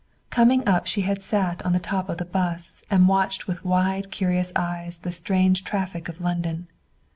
Coming up she had sat on top of the bus and watched with wide curious, eyes the strange traffic of London.